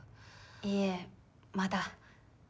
いいえまだ。